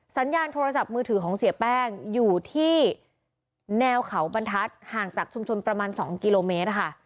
สัญญาณโทรศัพท์มือถือของเสียแป้งอยู่ที่แนวเขาบรรทัศน์ห่างจากชุมชนประมาณ๒กิโลเมตรค่ะ